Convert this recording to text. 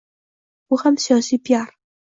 Bu ham siyosiy piar.